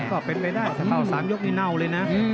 ก็เป็นไปได้ถ้าเ่า๓ยกนี่เน่าเลยนะ